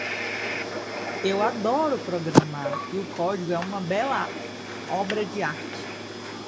Eu adoro programar e o código é uma bela obra de arte.